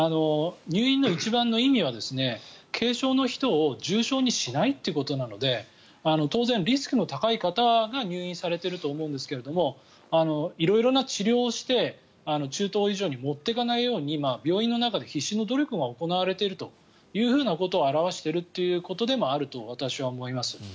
入院の一番の意味は軽症の人を重症にしないということなので当然リスクの高い方が入院されていると思うんですが色々な治療をして中等以上に持っていかないように病院の中で必死の努力が行われているということを表しているということでもあると私は思います。